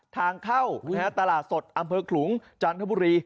ทางเข้าตลาดสดอำเภอขลุงจันทบุรี